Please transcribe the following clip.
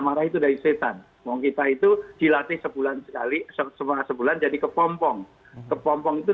marah itu dari setan mau kita itu dilatih sebulan sekali semua sebulan jadi kepompong kepompong itu